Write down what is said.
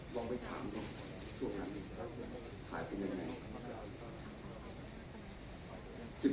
เราไปถามเค้าช่วงนั้นที่ถ่ายไปยังไง